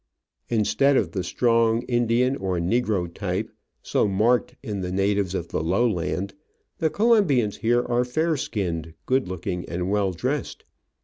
Instead of the strong Indian or negro type, so marked in the natives of the low land, the Colombians here are fair skinned, good looking, and well dressed.